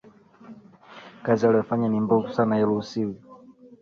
Kazi aliyofanya ni mbovu sana hairusiwi